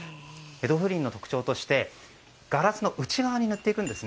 江戸風鈴の特徴としてガラスの内側に塗っていくんです。